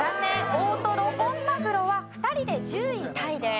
大トロ本マグロは２人で１０位タイです。